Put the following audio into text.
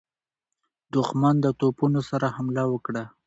دښمن د توپونو سره حمله وکړه.